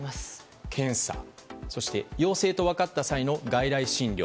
検査、そして陽性と分かった際の外来診療。